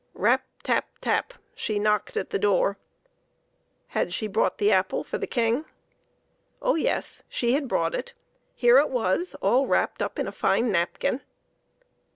Rap ! tap ! tap ! she knocked at the door. Had she brought the apple for the King? Oh yes ; she had brought it. Here it was, all wrapped up in a fine napkin.